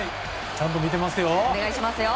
ちゃんと見てますよ。